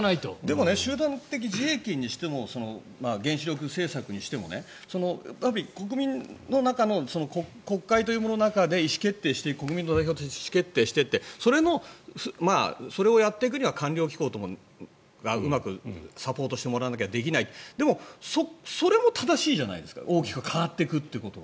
でも集団的自衛権にしても原子力政策にしても国会というものの中で国民の代表として意思決定していってそれをやっていくには官僚機構がうまくサポートしてもらわなきゃでもそれも正しいじゃないですか大きく変わっていくということは。